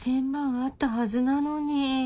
あったはずなのに。